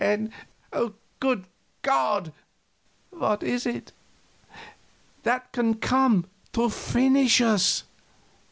And, good God! " "What is it?" "That can come to finish us!"